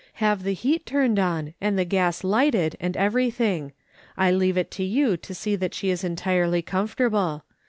Have the heat turned on, and the gas lighted, and everythmg. I leave it to you to see that she is entirely comfortable.